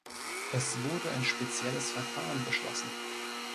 Es wurde ein spezielles Verfahren beschlossen.